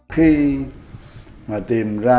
khi mà tìm ra